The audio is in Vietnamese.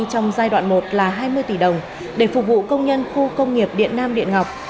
trong giai đoạn một là hai mươi tỷ đồng để phục vụ công nhân khu công nghiệp điện nam điện ngọc